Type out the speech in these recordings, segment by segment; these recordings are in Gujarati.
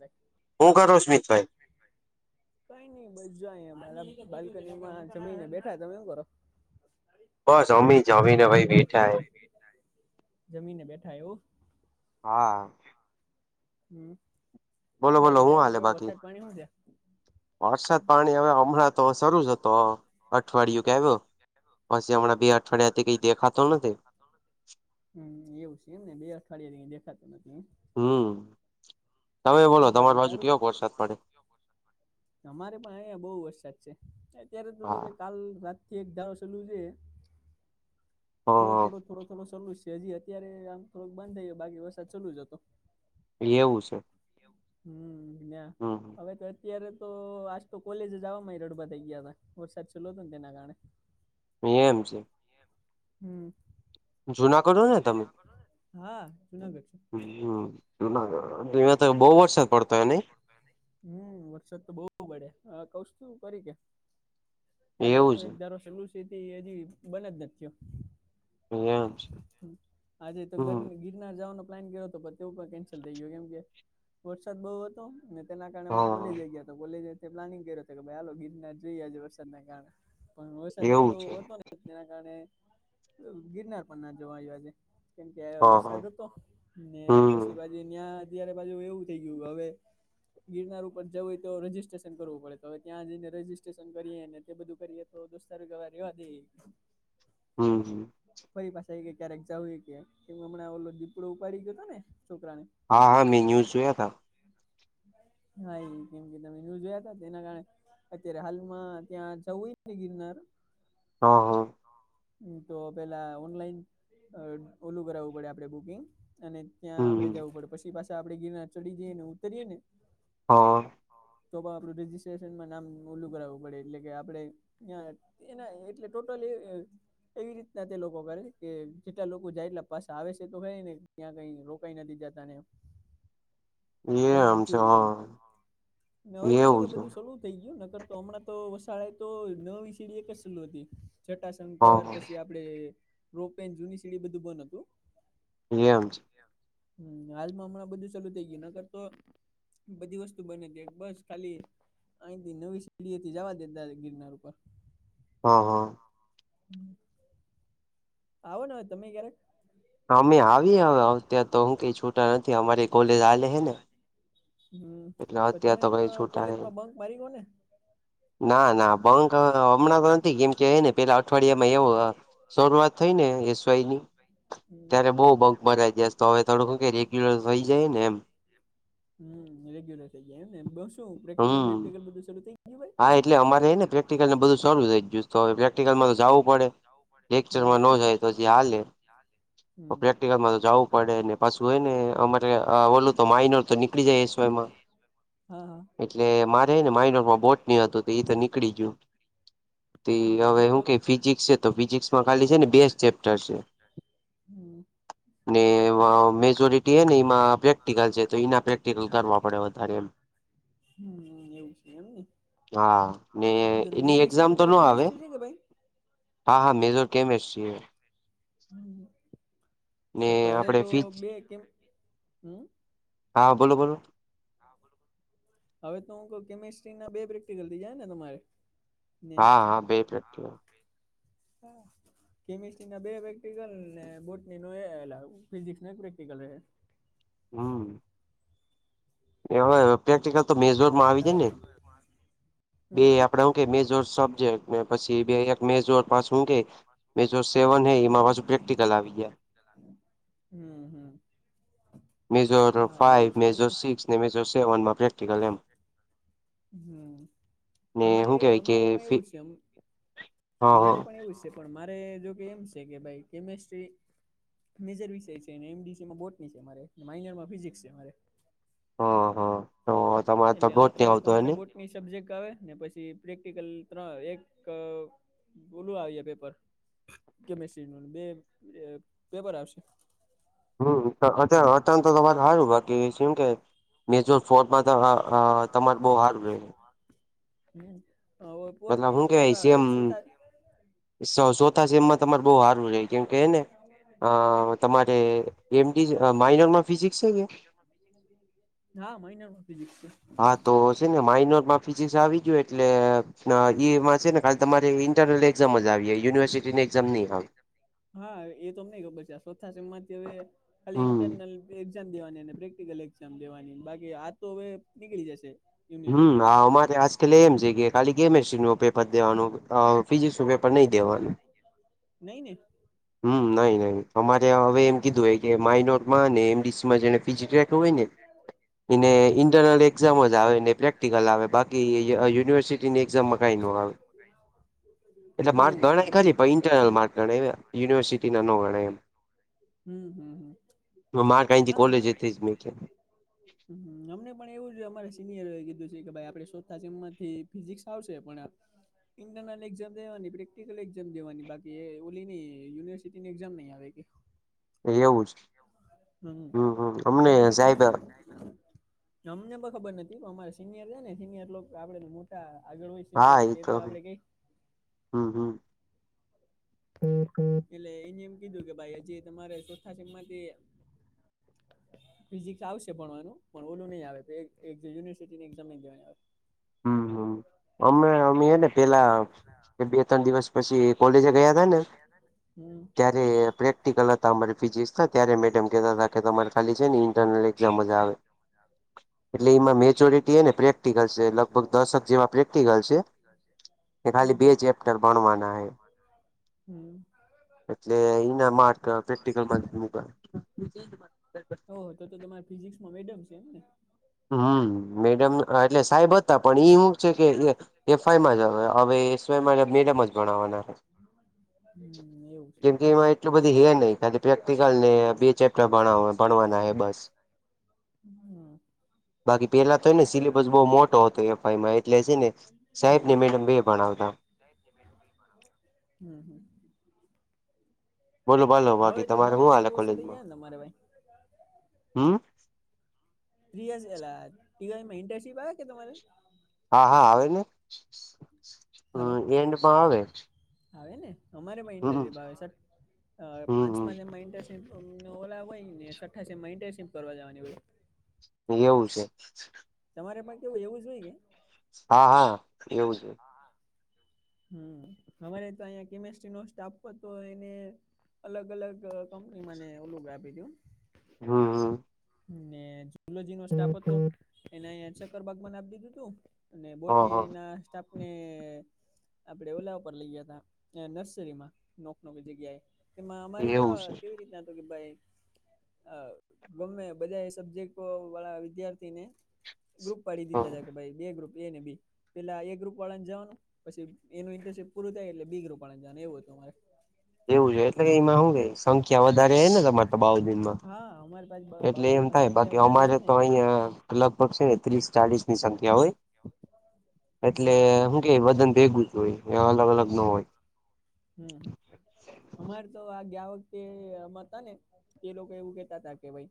રોશની [unintelligible] હું કરો સ્મિતભાઈ કઈ નઈ બસ જો અહીંયા મારા બાલ્કનીમાં જમીને બેઠા તમે હું કરો? બહ અમેભી જામીના ભાઈ બેઠા એ જમીને બેઠાએ હો હા. હમ, બોલો શું બોલો બાકી હું સારું હાલે કેવ બાકી વરસાદ પાણી હુ છે? વરસાદ પાણી હવે હમણાં તો શરૂ જ હતો અઠવાડિયું કે આવ્યો. પછી હમણાં બે અઠવાડિયાથી કઈ દેખાતો નથી. હમ, એવું છે એમ ને બે અઠવાડિયા રેય દેખાતો નથી. હમ, તમે બોલો હું તમારી બાકી બાજુ સારું કેવો વરસાદ પડે? અમારે પણ અહીંયા બો વરસાદ છે અત્યારે તો જો હા કે કાલ રાતથી એક ધારો ચલું છે. હ થોડો થોડો થોડો થોડો ચાલુ જ છે હજી અત્યારે આમ થોક બંધ થઈ ગયો બાકી વરસાદ ચાલુ જ હતો. એવું છે. હમ, ના. હમ. હવે તો અત્યારે તો આજ તો કોલેજ જવામાંય રડવા થઈ ગયા હતા વરસાદ છેલ્લો હતો ને તેના કારણે. એમ છે. એમ, હમ. જુનાગઢ હો ને તમે? બોલોને‌ હા, જુનાગઢ છે. હમ, જુનાગઢ તો બો વરસાદ પડતોય ની? હમ, વરસાદ તો બો પડે હ કઉશ તું કરી કે? કાલ નઈ એવું રાતનો છે એક ધારો સલું છે હજી બન જ નથી થયો. એમ છે આજે તો હમ ગરમી ના જવાનો પ્લાન કર્યો હતો તેવું પણ કેન્સલ થઈ ગયું કેમ કે વરસાદ બો હતો. ને તેના કારણે અમે હા કોલેજે ગયા તો કોલેજ પ્લાનિંગ કર્યું હતો કે ભાઈ હેલો ગીરનાર જઈએ જે વરસાદના કારણે. પણ વરસાદ એવું એટલો છે હતો ને તેના-કારણે ગિરનાર પણ ના જવાયું આજે કેમકે હા હા વરસાદ હતો ને પછી હમ બાજુ ત્યારે બાજુ એવું થઈ ગયું હવે ગિરનાર ઉપર જવુંય તો રજીસ્ટ્રેશન કરવું પડે હવે ત્યાં જઈને રજીસ્ટ્રેશન કરીએ ને તે બધું કરી તો દોસ્તારો કેવા રેવા દેઇ. હમ્મ. ફરી પાછા એ કે ક્યારેક જઉું એ કે એ હમણાં ઓલો દીપડો ઉપાડી ગયો હતો ને છોકરાને હા મેં હા ન્યૂઝ હા જોયા તા બીજું હા એ કેમ કે તમે નું જોયા ત તેના કારણે અત્યારે હાલમાં ત્યાં જવું ને ગિરનાર હ હ. હ તો પેલા ઓનલાઈન ઓલું કરાવવું પડે આપડે બુકિંગ અને ત્યાં આપણે હમ જવું પડે પછી પાછા આપડે ગિરનાર ચડી જઈએ ને ઉતરીયએ ને હ. તો પણ આપડું રજિસ્ટ્રેશનમાં નામ ઓલું કરાવવું પડે એટલે કે આપડે અયાં એ ના એટલે ટોટલ એ એવી રીતના તે લોકો કરે કે જેટલા લોકો જાય એટલા પાસે આવે છે તો કેને ત્યાં કઈ રો કઈ નથી જતા ને એમ. કઈ પ એમ છે હોય કેમ હા હોય તો કે એવું છે બધું સું થઈ ગયું નકર તો હમણાં તો વસાળ તો નવી સીડી એક જ સલ હતી જટાશંકર હા પછી આ આપણે રોપેન જૂની સીડી બધું બંધ હતું. એ હમ છે. હમ હાલમાં હમણાં બધું ચાલુ થઇ ગયું નગર તો બધી વસ્તુ બને હતી બસ ખાલી અહીથી નવી સીડીથી જવા દેતા ગિરનાર ઉપર હા હ. હમ્મ. આવો ને હવે તમે ક્યારેક અમે આવીએ હ અત્યારે તો હું કઈ છૂટા નથી અમારી કોલેજ હાલે હે ને હમ્મ એટલે પણ અત્યારે તમે તો કઈ છૂટા નહી કોલેજમાં બંક માર્યો ને ના ના બંક હમણાં તો નથી કેમ કે એને પેલા અઠવાડિયા માં એવું શરૂઆત થઈ ને એસ વાય ની હમ ત્યારે બહુ બક બરા જ તો હવે થોડું વઈ જાય ને એમ હમ્મ રેગ્યુલર થઇ ગયા એમને બ શું પ્રેક્ટિકલ હમ પ્રેટિકલ બધું ચાલુ થઈ ગયું. ભાઈ હા એટલે અમારેને પ્રેક્ટિકલ ને બધું શરૂ થઈ ગયુ પ્રેક્ટિકલમાં તો જવું પડે લેકચરમાં તો હમ હાલે-પ્રેક્ટિકલમાં જાવું પડે ને તો પાછું હે ને અમારે ઓલ તો માઇનર તો નીકળી જાય એ એસ વાય માં હા હા. એટલે મારે ને માઇનોર માં બોટ ની હતું તો એઈ તો નીકળી ગયું તે હમ હવે તો હું કે ફિઝિક્સ છે તો ફિઝિક્સમાં ખાલી છે ને બે જ ચેપ્ટર છે. હમ. ને મેજોરિટી ને એમાં મે પ્રેક્ટિકલ છે તો એના પ્રેક્ટિકલ કરવા પડે વધારે એમ [unintelligible] હમ્મ એવું છે એમને હા તો એની મેન વિષય એક્ઝામ તો તારે નો અવે કેમેસ્ટ્રી છે કે ભાઈ હા મે તો કેમ [unintelligible] હમ, તો તો હવે તો બે કેમ હમ્મ હા બોલો બોલો. હા [unintelligible] કેમેસ્ટ્રી ના બે પ્રેક્ટિકલ થઈ જાય ને તમારે ને હા હા બે [unintelligible] હ. કેમિસ્ટ્રીના બે પ્રેક્ટિકલને બોટની ન એ ફિઝિક્સ ન એક પ્રેક્ટિકલ રહે. હમ. [unintelligible] પ્રેક્ટિકલ તો મેઝોરમાં આવી ચાલો જાય ને બે આપડે હું કે મેઝોર સબ્જેક્ટ. પછી બે એક મેઝોર માં શું કે મેઝોર સેવન હૈ એમાં પાછું પ્રેક્ટિકલ આવી ગયા. હમ હમ. મેજોર હા એવું ફાઇવ, છે એમને મેજર હમ સિક્સ ને મેજર સેવનમાં પ્રેક્ટિકલ એમ. હમ, ને અમારે હું એવું કેવાય કે અમારેમાં ફી એવું છે હા અમારે હા પણ એવું છે. પણ મારે જોકે એમ છે કે ભાઈ કેમેસ્ટ્રી મેજર વિષય છે ને એમડીસીમાં બોટની છે મારે માઇનરમાં ફિઝિક્સ છે મારે. હ હ, તો તમારે તો એટલે બોટ ની અત્યારે આવતું હે તમારે ને? બોટની સબ્જેક્ટ આવે ને પછી પ્રેક્ટિકલ ત્ર એક અ બોલું આવીએ પેપર કેમિસ્ટ્રીનુ ને બે પેપર આવશે. હમ, [unintelligible] તમારે સારું બાકી છે એમ કે મેનેચો ફોર્ટમાં તો તમારે બો હાર્ડ રેય. મતલબ પોરથી તો છોતા. [unintelligible] તમાર બો હારું રેય કેમ કે એને અ તમારે એમ માઇનરમાં ફિઝિક્સ છે કે? હા મહિનાનું ફિઝિક્સ છે હા તો છે ને માઇનરમાં ફિઝિક્સ આવી ગયું એટલે એમાં છે ને ખાલી તમારે ઇન્ટરનલ એક્ઝામ જ આવી યુનિવર્સિટીની એક્ઝામ ની આવે. હા, એ તોમ ની ખબર છે ચોથા સેમ માંથી હવે ખાલી ઇન્ટરન હમ એક્ઝામ દેવાનીને પ્રેક્ટિકલ એક્ઝામ દેવાની બાકી આ તો હવે નીકળી જશે હમ યુનિવર્સિટીની તો અમારે આજકાલે એમ છે કે ખાલી કેમેિસ્ટ્રી ન પેપર દેવાનું ફિઝિકસ ન પેપર નહીં દેવાનું નઈને. હમ, નઈ નઈ‌. અમારે હવે એમ હમ કીધું હોય કે માઇનરમાં ને એમડીસીમાં જેને ફિજી જોઈતું હોય ને એને ઇન્ટરનલ એક્ઝામ જ આવે ને પ્રેક્ટિકલ આવે બાકી યુનિવર્સિટીની એક્ઝામમાં કાંઈ ન આવે. એટલે માર્ક એવું છે ગણાય એમ ને ખારી પણ ઇન્ટરનલ માર્ક ગણાય યુનિવર્સિટીના ન ગણાય એમ હમ હમ હમ હ મા કહીથી કોલેજ જ ની. હ અમને પણ એવું જ અમારે સિનિયરો એ કીધું છે કે ભાઈ આપડે શોતા એમમાંથી ફિઝિક્સ આવશે પણ ઇન્ટરનલ એક્ઝામ દેવાની પ્રેક્ટિકલ એક્ઝામ દવાની બાકી એ ઓલી નની યુનિવર્સિટી ની એક્ઝામ નહી આવે કે એવું જ હમ હમ અમને બાકી જો સાહેબ અમને પણ ખબર નથી અમારે સિનિયર છે ને સિનિયર આપડે મો આગળ હોય શિનર હા એ તો પ્ર આપડે કઈ હમ હમ. એટલે એને એમ કીધું કે ભાઈ હજી તમારે ચોથા શ માંથી ફિઝિક્સ આવશે ભણવાનું પણ ઓલું નહી આવે યુનિવર્સિટી ની એક્ામ નઈ દેવાની આવે હમ હમ અમે અમે એ ને પેલા બે ત્રણ દિવસ. પછી કોલેજ ગયા હતાા ને હમ. ત્યારે પ્રેક્ટિકલ હતા અમારે ફિઝિક્સ હતા ત્યારે મેડમ કહેતા હતા કે તમારે ખાલી છે ને ઇન્ટરનલ એક્ઝામ જ આવે હા. એટલે એમાં મેચ્યોરિટી હ ને પ્રેક્ટિકલ છે લગભગ દશક જેવા પ્રેક્ટિકલ છે. કે ખાલી બે હમ ચેપ્ટર ભણવાના હ. હમ. એટલે એના માર્ક પ્રેક્ટિકલ મુકાય તમા. ઓ તો તમારી ફિઝિક્સમાં મેડમ છે એમ ને હમ મેડમ. હ એટલે સાહેબ હતા પણ એ શું છે કે એ એફઆઈમાં જ હવે હવે એસઆયમાં એ મેડમ જ ભણાવવાના રહે હમ એવું છે કેમ કે એમને એમાં એટલું બધી હે નહિ ખાલી પ્રેક્ટિકલ ને બે ચેપ્ટર ભણવાના હે બસ હમ. બાકી પેલા તોય હા ને તો સિલેબસ બહુ મોટો હતો એફઆઈમાં એટલે છે ને હમ સાહેબ ને મેડ બે ભણાવતા હમ હમ. બોલો બલો હવે બાકી તો તમારે હું ભણવાનું તો હાલે ઓછું થઈ કોલેજમાં, જાય ને તમારે ભાઈ હમ? યલા ઇન્ટિપ આવે કે તમારે? હા હા આવે ને હલો હ એન્ડમાં આવે ને? અમારે માં હમ ઇન્ટર ભાવ સાહેબ હમ પાંચમાં હમ જમાં ઇન્ટરેસ્ટ ઓલા હોય ને સઠાસીમાં ઇન્ટરશિપ કરવા જવાની હોય એવું છે. તમારે પણ કેવું એવું જો હોય કે? હા હા એવું છે. હા હા. હમ હરે તો અહીંયા કેમિસ્ટ્રી નો સ્ટાફ હતો એને અલગ અલગ કંપનીમાંને ઓલુંગ આપી દું હા હા. ને જુલોજી નો સ્ટાક હતો એને શકરબાગ આપી દીધું તું. અને હ બોર્ડની હ ના સ્ટાફને આપડે ઓલા ઉપર લઈ ગયા ત નર્સરીમાં નોક નકી જગ્યાએ એમાં અમારે એવું છે કેવા કેવી રીતના હત કે ભાઈ આ ગમે બધા સબ્જેક્ટ વાળા વિદ્યાર્થી ને ગ્રુપ પાડી હ દીધા હતા કે ભાઈ બે ગ્રુપ ને બી પેલા એ એક ગુપળાને જવાનું પછી એનું ઇન્ટરશિપ પૂરું થાય એટલે બે ગ્રુપ વાળાને જવાનું એવું હતું મારે એવું છે એટલે એમા હું રેય સંખ્યા વધારે હ ને તમારે તો બાઉ દનમાં હા અમારી પાસે એટલે એમ બાઉદીનમાં થાય સંખ્યા બાકી જાજી અમારે છે ને તો એટલે અહિયાં લગભગ છેને ત્રીસ ચાલીસ ની સંખ્યા હોય એટલે હમ શું કે વદન ભેગું જ હોય અલગ અલગ ન હોય હમ હમ અમારે તો આ ગયા વ તે હતા ને તે લોકો એવું કેતા હતાા કે ભઈ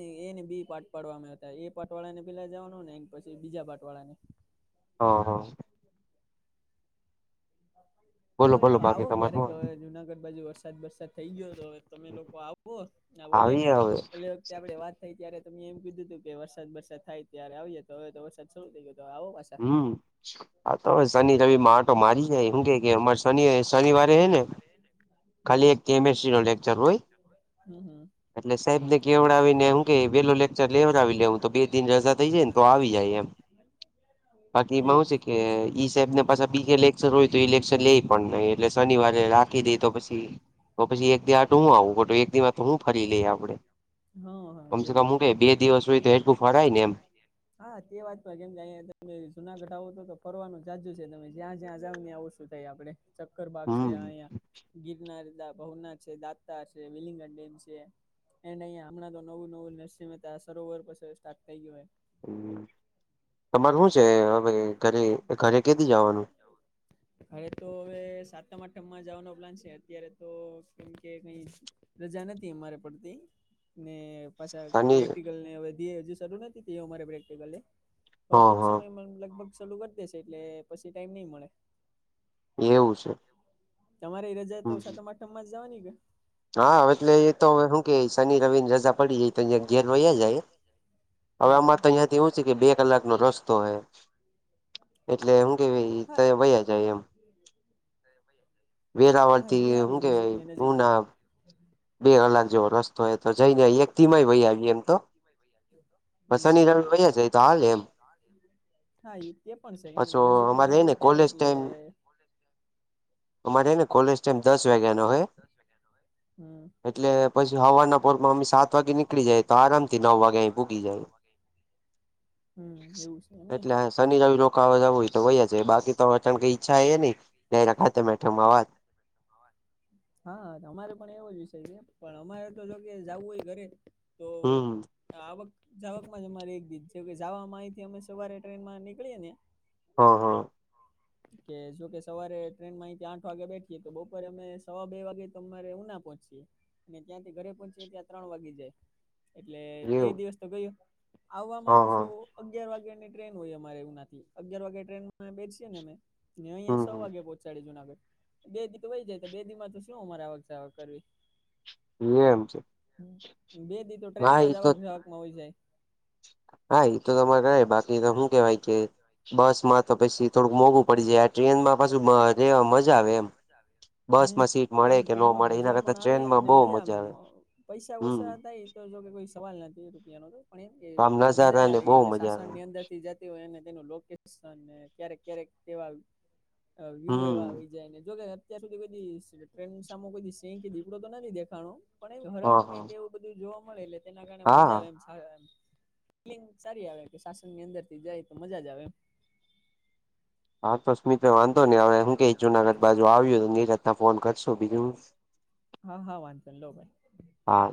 એ એને બી પાટ પાડવા આવ્યા હતા એ પાટ વાળા ને પેલા જવાનું ને પછી બીજા પાટ વાળા ને હ હ બોલો હવે બોલો આવો બાકી તમારે ક્યારેક શું હવે જુનાગઢ બાજુ વરસાદ વરસાદ થઈ ગયો તો હવે તમે લોકો આવો બોલે આવી હવે ઓલે આપડે વાત થઈ ત્યારે તમે એમ કીધું હતું કે વરસાદ વરસાદ થાય ત્યારે આવિયે તો હવે તો વરસાદ શરૂ થઈ ગયો તો આવો પા હમ તો હવે શનિ રવ માં આટો મારી જાય હું કે કે અમારે શનિ શનિવારે હે ને ખાલી એક કેમેસ્ટ્રી હમ નો લેક્ચર હોય [inaudible] હમ એટલે સાહેબ ને હમ કેવડાવીને હું કે [inaudible] વેલો લેક્ચર તો લેવડાવી લેવું તો બે દિન રજા આવી થઈ ને તો આવી જાય એમ [inaudible] બાકી એમાં હું છે કે ઇસ પાછી બીજા લેક્શર હોય તો ઈ લેક્શર લેય પણ નહી એટલે શનિવારે રાખી દે તો પ તો પછી એક દિવ આઠ હું આવું પડું એક દિવશ મા તો હું ફરી લઈ આપડે હા હા કમસે એવું કમ હું છે કે એમ બે દિવસ હોય તો એટલું ફરાય ને એમ હા તે વાત પણ કેમ કે અહીંયા તમેં જૂનાગઢ આવો તો તો ફરવાનું જાજુ છે તમે જ્યાં જ્યાં જાાવ નેં ઓ શું થાય આપડે ચક્કર બાગ છે હમ અહીંયા ગિરનાર ભાવનાથ છે દાતા છે વિલિંગન ડેમ છે એને અહીંયા હમણા તો નવું નવું નરસિંહ મહેતા સરોવર પછ સ્ટાર્ટ થઈ ગયું હોય હમ તમારું હું છે હવે ઘરે ઘરે કેથી જવાનું હારે તો હવે સાતમ આઠમમાં જવાનો પ્લાન છે અત્યારે તો કેમ કે કઈ રજા નથી અમારે પડતી ને પાછા શની પ્રેક્ટિકલ ને હવે ધે હજુ શરૂ નથી તે અમારે પ્રેક્ટિકલે હવે હા ટૂંક હા સમયમાં લગભગ ચાલુ કરી દેશે એટલે પછી ટાઈમ નહી મળે એવું છે તમારે રજા તો હમ સાતમ આઠમ માં જ જવાની કે હા એટલે એ તો હવે હું કેય શનિ રવિની રજા પડી જઈ અં ઘેર વહીયા જાય હવે હમ આમાં તો અહીંયા એવું છે કે બે કલાક નો રસ્તો હો એટલે હું કેવાય હા તય વયા જાય એમ હા વેરાવળથી ઈ હું હારું નજીક કેવાય ને નજીક હું ના બે કલાક જેવા રસ તો એ તો જઈને એક થી ય વહી આવી એમ તો હમ શની હમ રવી અહીંયા જ હોય તો હાલે એમ હા એ એ પણ છે કેમ કે પાછો નજીકને નજીક થાય એટલે અમારેને કોલેજ ટાઈમ દસ વાગ્યા નો હોય હમ એટલે પછી હવારના બપોરમાંમે સાત વાગે નીકળી જાય તો આરામથી નવ વાગે અ ભૂગી જાય હમ એવું છે એમને એટલે શનિ રવિ રોકા જવું હોય તો હોય છે બાકી તો અચાણ કઈ ઈચ્છા એ નહી ને રખાતે મેટ્ટમમાં વાત [inaudible] હા અમારે પણ એવો જ વિષય છે પણ અમારે તો જો કે જવું હોય ઘરે તો હમ આવક જાવકમાં જ અમારે એક બીજ જે જાવામાં અયથી અમે સવારે ટ્રેન માં નીકળીએ ને હા હા. કે જોકે સવારે ટ્રેનમાં અહી આઠ વાગે બેઠીએ તો બપોરે અમે સવા બે વાગે અરે ઉના પહોંચીએ ને ત્યાંથી ઘરે પોચ ત્યાં ત્રણ વાગી જાય એટલે એ એવું દિવસ તો ગયો હ આવવામાં પાછો હ અગિયાર વાગ્યા ની ટ્રેન હોય અમારે ઉનાથી અગિયાર વાગે ટ્રેનમાં બેઠીએ ને અમે ને અહિયાં સો વાગે હમ પોહોચાડે જુનાગઢ બે દીક વહી જાય તો બે દી તો શું અમારે આવક જાવક કરવી. એ એમ છે. બે દી તો ટ્રેન હા માં એ તો જવાક જવાક માં હોય જાય. હા એ તો તમારે બાકી શું કેવાય કે બસમાં. તો પછી થોડુંક મોંઘું પડી જાય ટ્રેનમાં પાછુ અ રહેવા મજા આવે એમ. બસ હમ માં સીટ મળે આમ કે ન ટ્રેનમાં મળે એના મજા કરતા પણ આવે ટ્રેનમાં અને બહુ મજા આવે પૈસા હમ ઓસા થાય. કોઈ સવાલ નથી રૂપિયા ન તો પણ એમ કે આમ મજા જ નજારા ને આવે બહુ કેમ કે મજા શાસન આવે ની અંદર થી જા ય અને તેનું લોકેશન ક્યારેક ક્યારેક તેવા અ વ્યુ હમ એવા આવી જાય ને જો કે. અત્યાર સુધી કોએ દિ ટ્રેન સામે કોઈ શેંર દીપડો તો નથી દેખાણો પણ એ હા હરણ હા તેવું બધું જોવા મળે એટલે તેના કારણે મજા હા આવે એમ. ફિલિંગ સારી આવે કે શાસન ની અંદર થી જાય તો મજા જ આવે. હા તો સ્મિતભાઈ વાંધો નને હ હું કે જુનાગઢ બાજુ આવ્યું તો ની રાતના ફોન કરશું બીજું હું. હા હા વાઘો ન‌ઈ લો ભાઈ. હા.